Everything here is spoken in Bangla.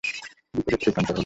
বিপরীত রূপান্তর হলো